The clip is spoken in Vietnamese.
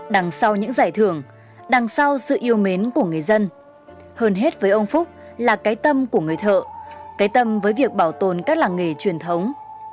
đằng sau những giải thưởng đằng sau sự yêu mến của người dân hơn hết với ông phúc là cái tâm của người thợ cái tâm với việc bảo tồn các làng nghề truyền thống